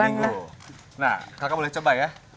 nah kakak boleh coba ya